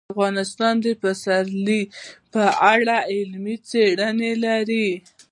افغانستان د پسرلی په اړه علمي څېړنې لري.